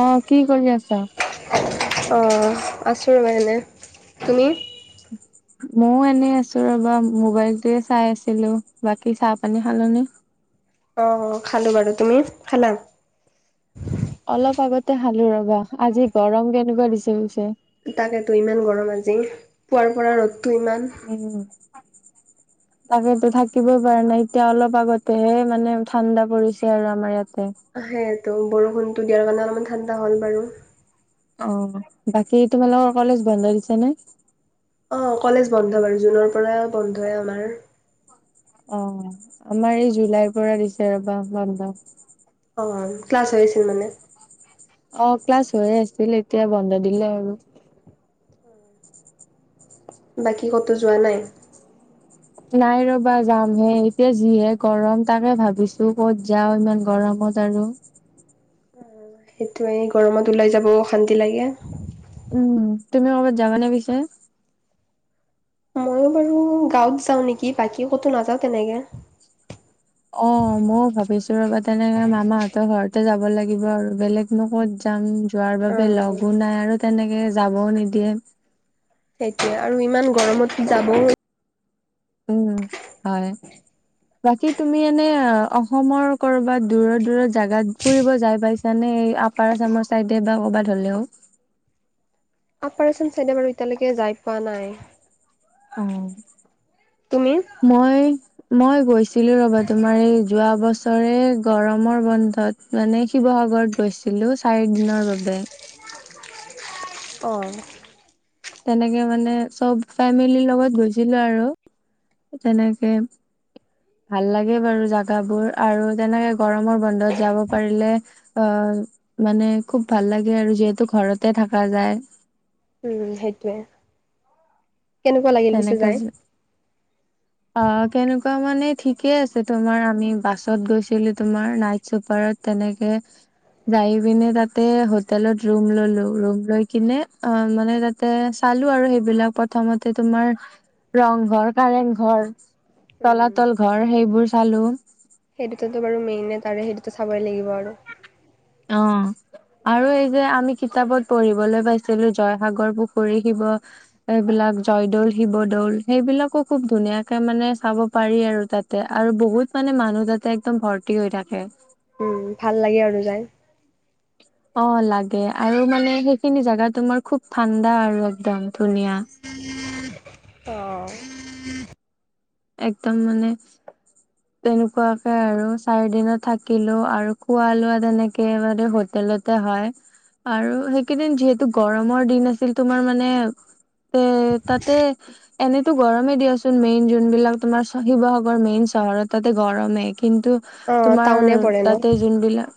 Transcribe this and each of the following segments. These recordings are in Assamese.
অ কি কৰি আছা অ আছোঁ ৰ'বা এনে তুমি ময়ও এনে আছো ৰবা মোবাইলটোৱে চাই আছিলো বাকী চাহ পানী খালা নি অ খালো বাৰু তুমি খালা? অলপ আগতে খালো ৰবা আজি গৰম কেনেকুৱা দিছে? তাকেতো ইমান গৰম আজি পুৱাৰ পৰা ৰ'দটো ইমান উম। তাকেতো থাকিবই পৰা নাই এতিয়া অলপ আগতে মানে ঠাণ্ডা পৰিছে আৰু আমাৰ ইয়াত আহে তো বৰষুণতো দিয়াৰ কাৰণে অলপমান ঠাণ্ডা হল বাৰু। অ বাকী তোমালোকৰ কলেজ বন্ধ দিছে নে? অ কলেজ বন্ধ বাৰু জুনৰ পৰা বন্ধই আমাৰ। অ আমাৰ এই জুলাইৰ পৰা দিছে ৰবা বন্ধ। অ ক্লাছ হৈ আছিল মানে। অ ক্লাছ হৈয়ে আছিল এতিয়া বন্ধ দিলে আৰু। বাকী ক'তো যোৱা নাই? নাই ৰবা যাম হে, এতিয়া যিহে গৰম তাকে ভাবিছো ক'ত যাও ইমান গৰম। কত আৰু? [inaudible] সেইটো এ গৰমত ওলাই যাব অশান্তি লাগে। উম, তুমি ক'ৰবাত যাবানে পিছে? ময়ো বাৰু গাঁৱত যাওঁ নেকি বাকী ক'তো নাযাওঁ তেনেকে। অ ময়ো ভাবিছো ৰ'বা তেনেকে মামাহঁতৰ ঘৰতে যাব লা আৰু বেলেগ নত যাম যোৱাৰ বাবে অ', লগো নাই আৰু তেনেক যাবও নিদিয়ে। সেইটোয়ে আৰু ইমান গৰমত যাবও উম হয়। বাকী তুমি এনে অসমৰ কৰবাত দূৰৰ দূৰৰ জাগাত ফুৰিব যাই পাইছানে? এই আপাৰ আচামৰ চাইডে বা কৰবাত হলেও? আপাৰ আচাম চাইডে বাৰু এতিয়ালৈকে যাই পোৱা নাই? অ তুমি মই মই গৈছিলো ৰবা তোমাৰ এই যোৱা বছৰে গৰমৰ বন্ধত মানে শিৱসাগ ৰত গৈছিলো চাৰি দিনৰ বাবে। অ। তেনেকে মানে চব ফেমিলিৰ লগত গুজিলো আৰু। তেনেকে ভাল লাগে বাৰু জাগাবোৰ আৰু তেনেকে গৰমৰ বন্ধত যাব পাৰিলে অ। মানে খুব ভাল লাগে আৰু যিহেতু ঘৰতে থকা যায়। উম সেইটোৱে। কেনেকুৱা লাগিল পিছে তেনেকে যাই যে আহ কেনেকুৱা মানে ঠিকে আছে, তোমাৰ আমি বাছত গৈছিলো তোমাৰ নাইট চুপাৰত তেনেকে। যাই পিনে তাতে হোটেলত ৰুম ললো, ৰুম লৈ কিনে অ মানে তাতে চা চালো আৰু সেইবিলাক প্ৰথমত ত তোমাৰ ৰং ঘৰ, কাৰেং ঘৰ, উম তলাতল ঘৰ সেইবোৰ চালোঁ। সেই দুটাতো বাৰু মেইনে তাৰে সেই চাবই লাগিব আৰু। অ আৰু এই যে আমি কিতাপত পঢ়িবলৈ পাইছিলো জয়সাগৰ পুখুৰী, শিৱ এইবিলাক জয়দৌল, শিৱদৌল সেইবিলাকো খুব ধুনীয়াকে মানে চাব পাৰি আৰু। তাতে আৰু বহুত মানে মানুহ তাতে একদম ভৰ্তি হৈ থাকে। উম ভাল লাগে আৰু যাই অ লাগে আৰু মানে সেইখিনি জেগা তোমাৰ খুব ঠাণ্ডা আৰু একদম। ধুনীয়া অ। একদম মানে তেনেকুৱাকে আৰু চাৰি দিনত থাকিলো আৰু খোৱা লোৱা তেনেকে মানে হোটেলত তাতে হয়, আৰু সেইকেইদিন যিহেতু গৰমৰ দিন আছিল তোমাৰ মানে তে তাতে এনেতো গৰমে দিয়াচোন মেইন যোনবিলাক তোমাৰ চা শিৱসাগৰ মেইন চহৰত তাতে গৰমে কিন্তু অ তোমাৰ টাউনে পৰে ন তাতে যোনবিলাক।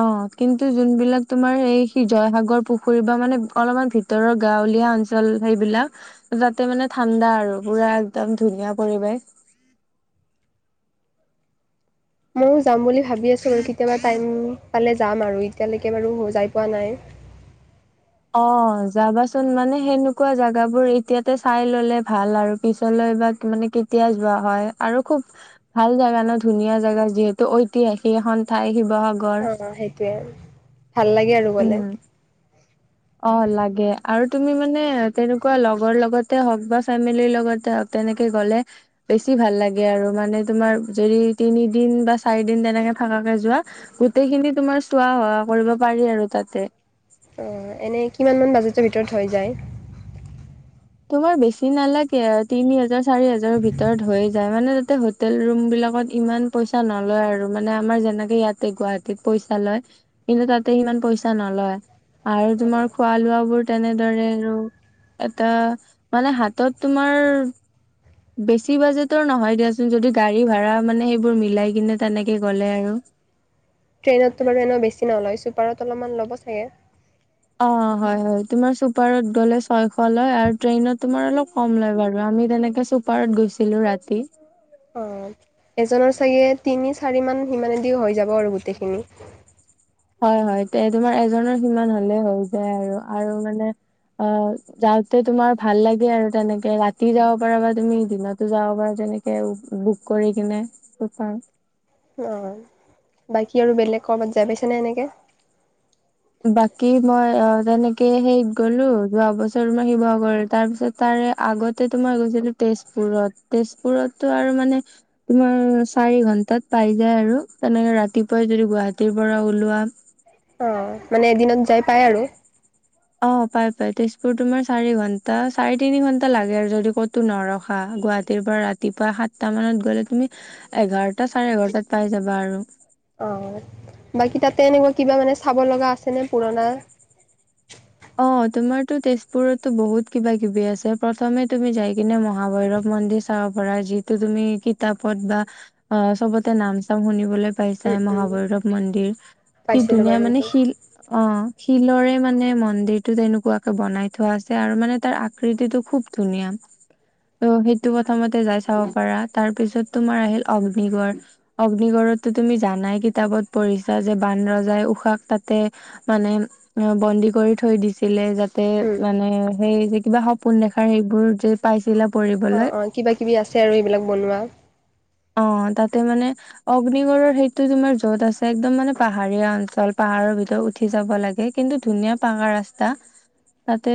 অ কিন্তু যোনবিলাক তোমাৰ এই সি জয়সাগৰ পুখুৰী বা মানে অলপমান ভিতৰৰ গাওঁ-। গাওঁলীয়া অঞ্চল সেইবিলাক যাতে মানে ঠাণ্ডা আৰু পুৰা একদম ধুনীয়া পৰিৱেশ। [unintelligible] মই ও যাম বুলি ভাবি আছিলোঁ, কেতিয়াবা টাইম পালে যাম আৰু এতিয়ালৈকে বাৰু যায় পোৱা নাই। [unintelligible] অ যাবাচোন মানে সেনেকুৱা জোগাবোৰ এতিয়াতে চাই ললে ভাল আৰু পিছলৈ বা। মানে কেতিয়া যোৱা হয় আৰু খুব ভাল জোগা ন ধুনীয়া জেগা যিহেতু ঐতিহাসিক এখন। ঠাই দেখিব। অ সেইটোৱে ভাল লাগে আৰু গলে। উম অ লাগে আৰু তুমি মানে তেনেকুৱা লগৰ লগতে হওক বা ফেমিলিৰ লগতে হওক। তেনেকে গলে বেছি ভাল লাগে আৰু মানে তোমাৰ যদি তিনি দিন বা চাৰি দিন তেনেকে। থাকাকে যোৱা গোটেই খিনি তোমাৰ চোৱা সোৱা কৰিব পাৰি আৰু তাতে। অ এনে কিমান মান বাজেটৰ ভিতৰত হৈ যায়।। তোমাৰ বেছি নালাগে তিনি হাজাৰ চাৰি হাজাৰৰ ভিতৰত হৈ যায়, মানে। তে হোটেল ৰুম বিলাকত ইমান পইচা নলয় আৰু মানে আমাৰ যেনেকে ইয়াতে গুৱাহাটীত পইচা লয়। কিন্তু তাতে ইমান পইচা নলয়। আৰু তোমাৰ খোৱা লোৱা বোৰ তেনেদৰে আৰু। এ মানে হাতত তোমাৰ। বেছি বাজেটৰ নহয় দিয়াচোন যদি গাড়ী ভা়া মানে সেইবোৰ মিলাই কিনে তেনেকে গ'লে আৰু। ট্ৰেইনততো বাৰু এনে বেছি নলয় ছুপাৰত অলপমান ল'ব চাগে। অ হয় হয় তোমাৰ চুপাৰত গলে ছয়শ লয় আৰু ট্ৰেইনত তুমাৰ অলপ কম লয় বাৰু। আমি তেনেকে চুপাৰত গৈছিলো ৰাতি। অ এজনৰ চাগে তিনি চাৰি মান। সিমানে দি হৈ যাব আৰু গোটেইখিনি। হয় হয় এ তোমাৰ এজনৰ সিমান হ'লে হৈ যায় আৰু আৰু মানে। অ যাওঁতে তুমাৰ ভাল লাগে আৰু তেনেকে ৰাতি যাব পাৰা বা তুমি দিনতো যাব পাৰা য। তেনেকে বুক কৰি কিনে চ। অ বাকী আৰু বেলেগ ক'বাত যাই পাইছেনে এনেকে। বাকী মই অ তেনেকে সেইত গলো যোৱা বছৰ মই শিৱসাগৰ তাৰ পিছত তাৰ। আগতে তোমাৰ গৈছিলোঁ তেজপুৰত টো আৰু মানে তোমাৰ চাৰি। ঘন্টাত পাই যায় আৰু তেনেকে ৰাতিপুৱাই যদি গুৱাহাটীৰ পৰা ওলোৱা। অ মানে এদিনত যাই পাই আৰু। অ', পাই তেজপুৰ তোমাৰ চাৰি ঘন্টা চাৰি তিনি ঘন্টা লাগে আৰু যদি ক'তো নৰখা গুৱাহাটীৰ পৰা ৰাতি। ৰাতিপুৱা সাতটা মানত গলে তুমি এঘাৰটা চাৰে এঘাৰটাত পাই যাবা আৰু। অ বাকী তাতে এনেকুৱা কিবা মানে চাব লগা আছে নে পুৰণা। অ তোমাৰতো তেজপুৰতো বহুত কিবা কিবি আছে প্ৰথমে তুমি যাই কিনে মহাভৈৰৱ। মন্দিৰ চাব পাৰা যিটো তুমি কিতাপ ত বা চব তে নাম চাম শুনিবলৈ। উম পাইছাই উম মহাভৈৰৱ মন্দিৰ কি পাইছিলোঁ বাৰু ধুনীয়া মানে এইটো শিল অ। শিলৰে মানে মন্দিৰ। টো তেনেকুৱাকে বনাই থোৱা আছে আৰু মানে তাৰ আকৃতিটো খুব ধুনীয়া। ত' সেইটো প্ৰথমতে যাই চাব পাৰা তাৰপিছত তোমাৰ আহিল অগ্নিগড় অগ্নিগড়। তি জাই কিতাপত পঢ়িছা যে বান ৰজাই ঊষা তাতে মানে। বন্দী কৰিত। থৈ দিছিলে যাতে উম মানে সেই যে কিবা সপোন দেখাৰ সেইবোৰ যে পাইছিলে। অ অ কিবা কিবি আছে আৰু এইবিলাক বনোৱা। অ তাতে মানে অগ্নিগড়ৰ সেইটো তোমাৰ য'ত আছে একদম মানে পাহাৰীয়া অঞ্চল পাহাৰ। ভিতৰত উঠি যাব লাগে কিন্তু ধুনীয়া পাঙা ৰাস্তা। তাতে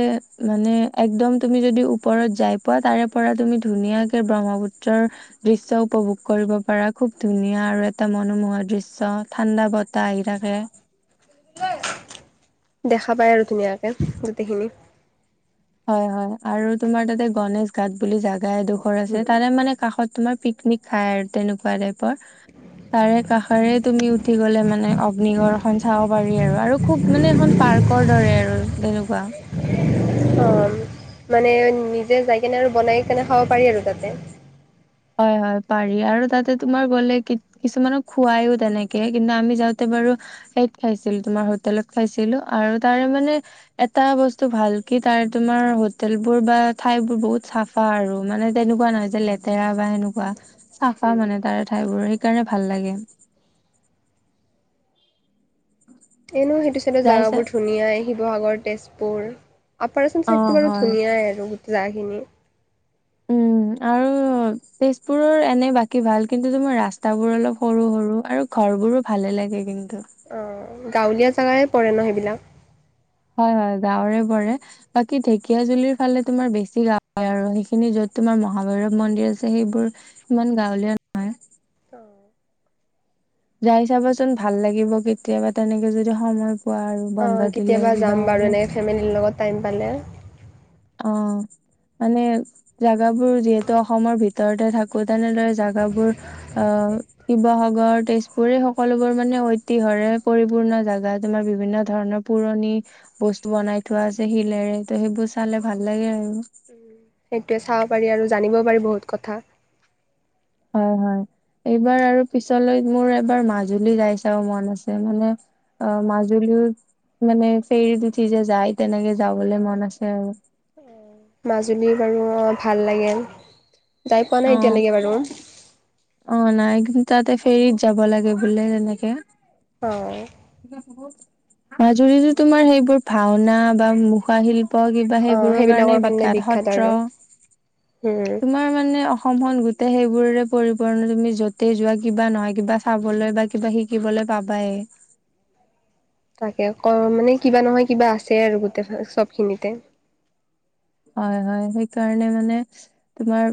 মানে একদম তুমি যদি ওপৰত যাই পোৱা তাৰে পৰা তুমি ধুনীয়াকে ব্ৰ। ব্ৰহ্মপুত্ৰৰ দৃশ্য। উপভোগ কৰিব পাৰা খুব ধুনীয়া আৰু এটা মনোমোহৰ দৃশ্য ঠাণ্ডা বতাহ আহি থাকে। দেখা পায় আৰু ধুনীয়াকে গোটেইখিনি হয় হয় আৰু তোমাৰ তাতে গনেশ ঘাট বুলি জোগা এডোখৰ আছে তা মানে কাষত তোমাৰ প পিকনিক খায় আৰু তেনেকুৱা টাইপৰ। তাৰে কাষৰে তুমি উঠি গ'লে মানে অগ্নিগড় খন চাব পাৰি আৰু আৰু খুব মানে এখন প পাৰ্কৰ দৰে আৰু তেনেকুৱা। অ' মানে নিজে যাই কেনে আৰু বনাই কেনে খাব পাৰি আৰু তাতে। হয় হয় পাৰি আৰু তাতে তোমাৰ গ'লে কিছুমানক খোৱাইও তেনেকে কিন্তু আমি যাওঁতে। ব সেইত খাইছিলো তোমাৰ হোটেলত খাইছিলো আৰু তাৰে মানে এটা বস্তু ভালকে কি তাৰ তোমাৰ হোটেল বোৰ বা ঠাই বোৰ বহুত চাফা আৰু মানে তেনেকুৱা নহয় যে লে তেৰা বা সেনেকুৱা চাফা মানে তাৰে ঠাই বোৰ। সকাৰণে ভাল লাগে। এনেও সেইটো চাইডৰ যাইছা জেগাবোৰ ধুনীয়াই শিৱসাগৰ তেজপুৰ অপাৰেচন অ চাইটো বাৰু হয় ধুনীয়াই আৰু গোটাখিনি উম আৰু তেজপুৰৰ এনে বাকী ভাল কিন্তু তোমাৰ ৰাস্তা বোৰ অলপ সৰু সৰু আৰু বোৰো ভালে লাগে কিন্তু অ গাঁৱলীয়া জেগাই পৰে ন সেইবিলাক হয় হয় গাাৱৰে পৰে বাকী ঢেঁকীয়া জুলিৰ ফালে তোমাৰ বেছি গা আৰু সেইখিনি য তোমাৰ মহাভৈৰৱ মন্দিৰ আছে সেইবোৰ ইমান গাঁৱলীয়া। নহয় অ। যাই চাবাচোন ভাল লাগিব কেতিয়াবা তেনেকে যদি সময়। পোৱা আৰু বন্ধ অ', দিলে কেতিয়াবা কিবা যাম বাৰু কৰিলে। এনেকৈ ফেমিলিৰ লগত টাইম পালে। অ। মানে জাগাবোৰ যিহেতু অসমৰ ভিতৰতে থাকো তেনেদৰে জোগাবোৰ অ। শিৱসাগৰ তেজপুৰ এই সকলোবোৰ মানে ঐতিহৰে পৰিপূৰ্ণ জাগা তোমাৰ বিভিন্ন। ধৰণৰ পুৰণি বস্তু বনাই থোৱা আছে শিলেৰে ত' সেইবোৰ চালে ভাল লাগে আৰু। উম সেইটোৱে চাব পাৰি আৰু জানিবও পাৰি বহুত কথা। হয় হয়। এইবাৰ আৰু পিছলৈ মোৰ এবাৰ মাজুলী যাই চাব মন আছে মানে। অ মাজুলীওত মানে ফেৰীত উঠি যে যায় তেনেকে যাবলে মন আছে আৰু। মাজুলী বাৰু ভাল লাগে। যাই পোৱা নাই অ এতিয়ালৈকে বাৰু [inaudible] অ নাই ঘেনতাতে ফেৰিত যাব লাগে বোলে তেনেকে। অ', মাজুলিতো তোমাৰ সেইবোৰ ভাওনা বা মুখা শিল। প কিবা অ', সেইবোৰৰ কাৰণে সেইবিলাকৰ বিখ্যাত সত্ৰ আৰু উম, তোমাৰ মানে। অসমন গোটেই সেইবোৰে পৰিপূৰ্ণ তুমি য'তেই যোৱা কিবা নহয় কিবা চাবলৈ বা কিবা শিকিবলৈ। পাবাই [unintelligible] তাকে অক মানে কিবা নহয় কিবা আছে আৰু গোটেই চব খিনিতে। হয় হয় সেইকাৰণে মানে তোমাৰ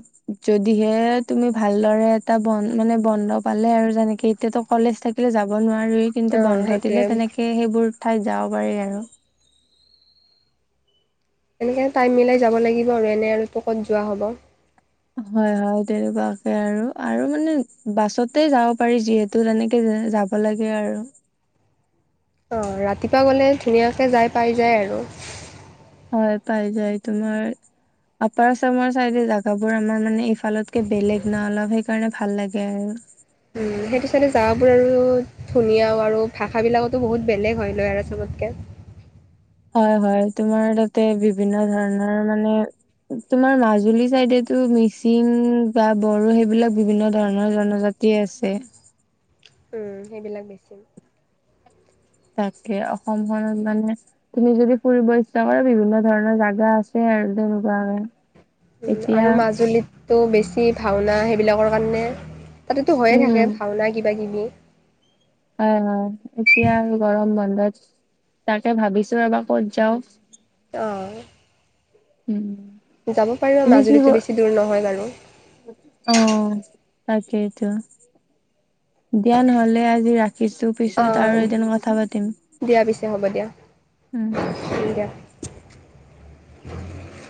যদিহে তুমি ভালদৰে এটা। বন্ধ মানে বন্ধ পালে আৰু যেনেকে এতিয়াতো কলেজ থাকিলে যাব নোৱাৰা। ৰুই কিন্তু অ', বন্ধ সেইটোৱে দিলে তেনেকে সেইবোৰ। ঠাইত যাব পাৰি আৰু। এনেকৈ টাইম মিলাই যাব লাগিব আৰু এনে আৰু ত ক'ত যোৱা হ'ব। হয় হয় তেনেকুৱাকে আৰু আৰু মানে বাছতে যাব পাৰি যিহেতু তেনেকে। যাব লাগে আৰু। [unintelligible] অ ৰাতিপুৱা গ'লে ধুনীয়াকৈ যাই পাই যায় আৰু। হয় পাই যায় তোমাৰ। আপাৰ আচামৰ চাইডে জোগাবোৰ আমাৰ মানে ইফালতকে বেলেগ না অলপ সেইকাৰণে ভাল লাগে আৰু। উম সেইটো চাইডে যাবই আৰু ধুনীয়াও আৰু ভাষা বিলাকতো বহুত বেলেগ হয় ন আৰু চব। তাকে। হয় হয় তোমাৰ তাতে বিভিন্ন ধৰণৰ মানে। তোমাৰ মাজুলী চাইডেতো মিচিং বা বড়ো সেইবিলাক বিভিন্ন ধৰণৰ জনজা তি আছে। উম সেইবিলাক বেছি। তাকে অসমখনত মানে তুমি যদি ফুৰিব ইচ্ছা কৰা বিভিন্ন ধৰণৰ জাগা আছে। [unintelligible] এতিয়া আৰু মাজুলীতটো বেছি ভাওনা সেইবিলাকৰ কাৰণে তাতেতো হৈয়ে উম থাকে ভাওনা কিবা কিবি। হয় হয় এতিয়া আৰু গৰম তাকে ভাবিছো এবাৰ ক'ত যাওঁ। অ। উম। যাব পাৰো তুমি কি ক মাজুলীতো বেছি দূৰ নহয় বাৰু। অ তাকেইতো দিয়া নহলে আজি ৰা কিছু পিছত অ', আৰু এদিন কথা পাতিম দিয়া পিছে হ'ব দিয়া, হম। [unintelligible]